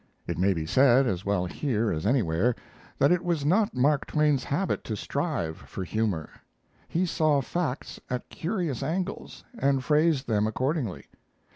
It may be said, as well here as anywhere, that it was not Mark Twain's habit to strive for humor. He saw facts at curious angles and phrased them accordingly.